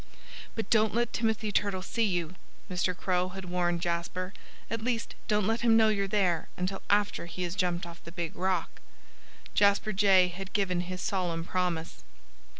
"But don't let Timothy Turtle see you!" Mr. Crow had warned Jasper. "At least, don't let him know you're there until after he has jumped off the big rock." Jasper Jay had given his solemn promise.